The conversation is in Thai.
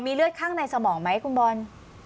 เลือดข้างในสมองไหมคุณบอล